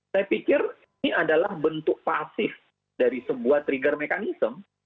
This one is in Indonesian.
saya pikir ini adalah bentuk pasif dari sebuah trigger mechanism